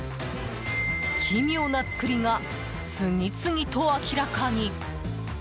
奇妙な造りが次々と明らかに。